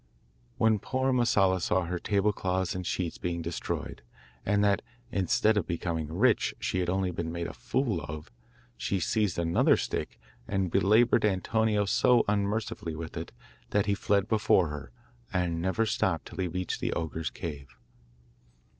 When poor Masella saw her table cloths and sheets being destroyed, and that instead of becoming rich she had only been made a fool of, she seized another stick and belaboured Antonio so unmercifully with it, that he fled before her, and never stopped till he reached the ogre's cave.